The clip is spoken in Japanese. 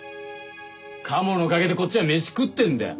カモのおかげでこっちは飯食ってんだよ。